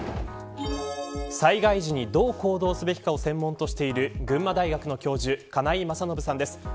災害時にどう行動すべきかを専門としている群馬大学の教授金井昌信さんです。